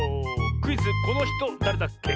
クイズ「このひとだれだっけ？」